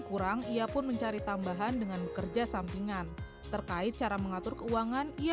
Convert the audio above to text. kurang ia pun mencari tambahan dengan bekerja sampingan terkait cara mengatur keuangan ia